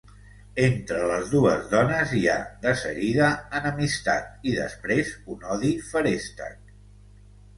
Entre les dues dones, hi ha de seguida enemistat, i després un odi feréstec.